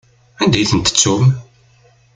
Anda i ten-tettum?